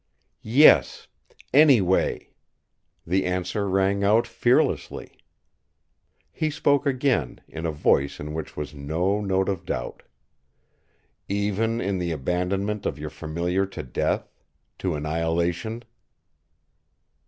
"Yes, any way!" the answer rang out fearlessly. He spoke again, in a voice in which was no note of doubt: "Even in the abandonment of your Familiar to death—to annihilation."